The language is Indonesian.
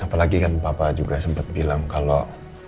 apalagi kan papa juga sempat bilang kalau